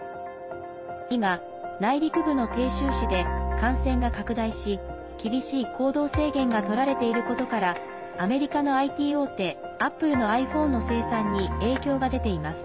今、内陸部の鄭州市で感染が拡大し厳しい行動制限がとられていることからアメリカのＩＴ大手、アップルのｉＰｈｏｎｅの生産に影響が出ています。